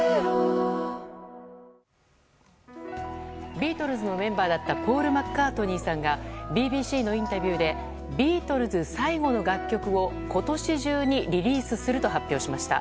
ビートルズのメンバーだったポール・マッカートニーさんがＢＢＣのインタビューでビートルズ最後の楽曲を今年中にリリースすると発表しました。